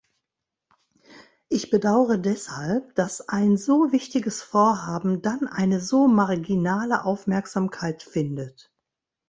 Ich bedaure deshalb, dass ein so wichtiges Vorhaben dann eine so marginale Aufmerksamkeit findet.